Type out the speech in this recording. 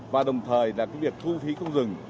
và đồng thời là cái việc thu phí không dừng